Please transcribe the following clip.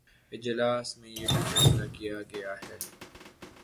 اجلاس میں یہ بھی فیصلہ کیا گیا کہ